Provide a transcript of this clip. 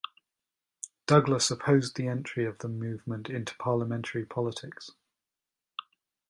Douglas opposed the entry of the movement into parliamentary politics.